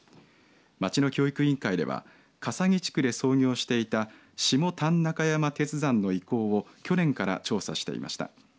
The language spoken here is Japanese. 町の教育委員会では笠置地区で操業をしていた下谷中山鉄山の意向を去年から調査していました。